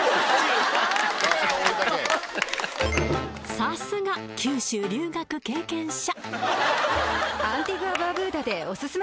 さすが九州留学経験者